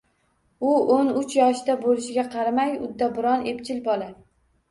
U o`n uch yoshda bo`lishiga qaramay, uddaburon, epchil bola